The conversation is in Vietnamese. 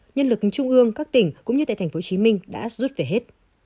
nhân lực trung ương các tỉnh cũng như tại tp hcm đã rút về hết